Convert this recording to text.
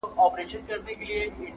ملت ړوند دی د نجات لوری یې ورک دی-